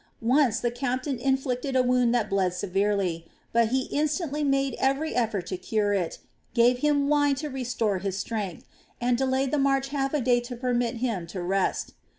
Once the captain inflicted a wound that bled severely; but he instantly made every effort to cure it, gave him wine to restore his strength, and delayed the march half a day to permit him to rest.